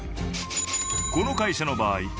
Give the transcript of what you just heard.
この会社の場合